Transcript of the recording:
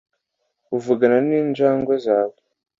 uvugana ninjangwe zawe